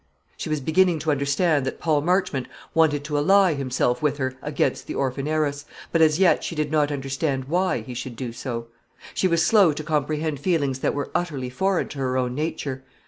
She was beginning to understand that Paul Marchmont wanted to ally himself with her against the orphan heiress, but as yet she did not understand why he should do so. She was slow to comprehend feelings that were utterly foreign to her own nature.